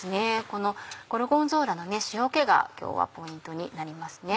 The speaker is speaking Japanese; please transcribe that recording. このゴルゴンゾーラの塩気が今日はポイントになりますね。